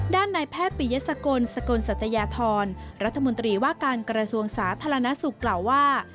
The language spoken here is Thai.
ด้านในแพทย์ปิยสกลสกลสัตยาธรรัฐมนตรีว่าการกระทรวงสาธารณสุขกล่าวว่า